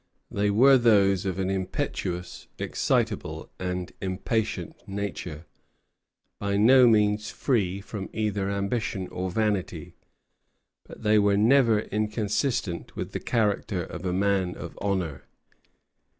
They were those of an impetuous, excitable, and impatient nature, by no means free from either ambition or vanity; but they were never inconsistent with the character of a man of honor.